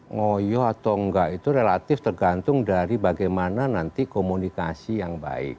ngoyo atau enggak itu relatif tergantung dari bagaimana nanti komunikasi yang baik